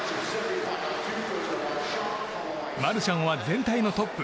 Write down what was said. マルシャンは全体のトップ。